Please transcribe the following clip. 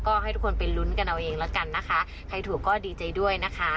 ก็ให้ทุกคนไปลุ้นกันเอาเองแล้วกันนะคะใครถูกก็ดีใจด้วยนะคะ